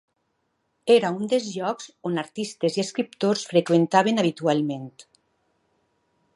Era un dels llocs on artistes i escriptors freqüentaven habitualment.